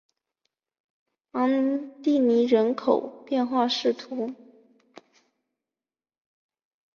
昂蒂尼人口变化图示